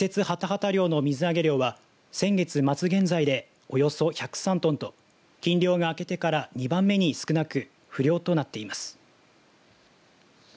ハタハタ漁の水揚げ量は先月末現在でおよそ１０３トンと禁漁があけてから２番目に少なく不漁となっています。